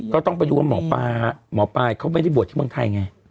ก็ต้องไปดูว่าหมอปลาหมอปลายเขาไม่ได้บวชที่เมืองไทยไง